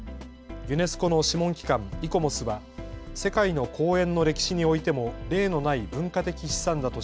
ユネスコの諮問機関、イコモスは世界の公園の歴史においても例のない文化的資産だと